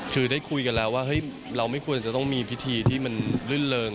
คือได้คุยกันแล้วว่าเฮ้ยเราไม่ควรจะต้องมีพิธีที่มันรื่นเริง